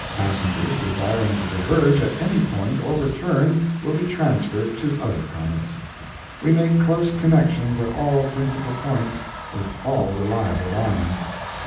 Passengers desiring to diverge at any point or return will be transferred to other comets. We make close connections at all principal points with all reliable lines.